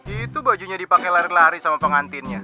itu bajunya dipakai lari lari sama pengantinnya